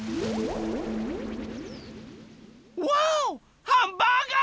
わおハンバーガー！